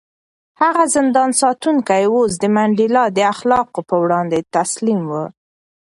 هغه زندان ساتونکی اوس د منډېلا د اخلاقو په وړاندې تسلیم و.